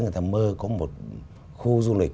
người ta mơ có một khu du lịch